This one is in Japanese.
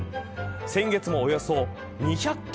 先月もおよそ２００機